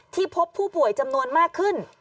พบผู้ป่วยจำนวนมากขึ้น